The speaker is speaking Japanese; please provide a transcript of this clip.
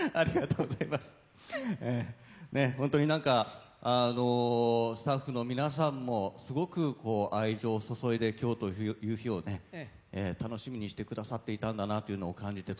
本当に、スタッフの皆さんもすごく愛情を注いで今日という日を楽しみにしてくださっていたんだなと感じて